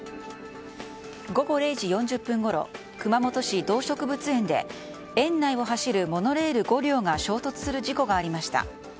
午後０時４０分ごろ熊本市動植物園で園内を走るモノレール５両が衝突する事故がありました。